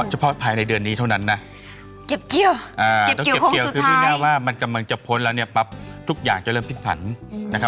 เฉพาะภายในเดือนนี้เท่านั้นนะคือเพราะงานว่ามันกำลังจะพ้นแล้วเนี่ยปั๊บทุกอย่างจะเริ่มพิกพันธ์นะครับ